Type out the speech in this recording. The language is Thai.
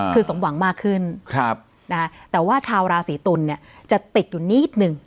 คือสมหวังมากขึ้นแต่ว่าชาวราศีตุลเนี่ยจะติดอยู่นิดนึง